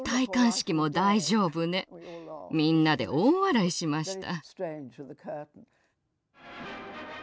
みんなで大笑いしました。